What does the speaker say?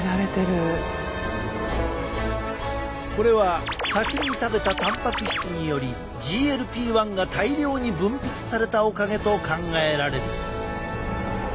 これは先に食べたたんぱく質によりＧＬＰ−１が大量に分泌されたおかげと考えられる。